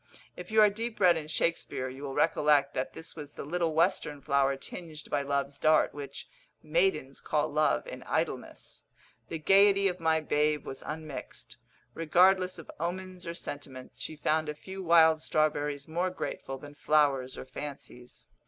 If you are deep read in Shakespeare, you will recollect that this was the little western flower tinged by love's dart, which "maidens call love in idleness." The gaiety of my babe was unmixed; regardless of omens or sentiments, she found a few wild strawberries more grateful than flowers or fancies.